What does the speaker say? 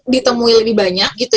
ditemui lebih banyak